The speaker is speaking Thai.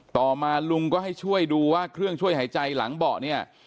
ต่อมาลุงก็ให้ช่วยดูว่าเครื่องช่วยหายใจหลังเบาะเนี่ย